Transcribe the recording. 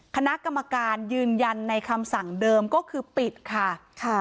คณะกรรมการยืนยันในคำสั่งเดิมก็คือปิดค่ะค่ะ